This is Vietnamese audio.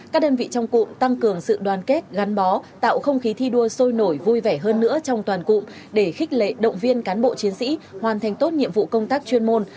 các đơn vị trong cụm tăng cường sự đoàn kết gắn bó tạo không khí thi đua sôi nổi vui vẻ hơn nữa trong toàn cụm để khích lệ động viên cán bộ chiến sĩ hoàn thành tốt nhiệm vụ công tác chuyên môn